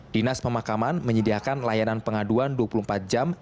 dinas pemakaman menyediakan layanan pengaduan dua puluh empat jam